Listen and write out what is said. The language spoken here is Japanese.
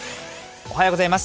おはようございます。